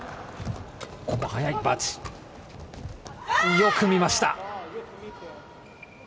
よく見ました。